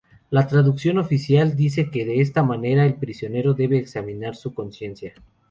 La traducción oficial dice que de esta manera el prisionero "debe examinar su conciencia".